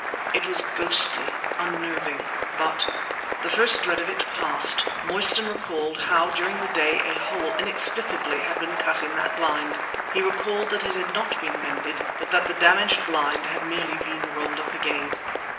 It was ghostly unnerving; but, the first dread of it passed, Mostyn recalled how during the day a hole inexplicably had been cut in that blind; he recalled that it had not been mended, but that the damaged blind had merely been rolled up again.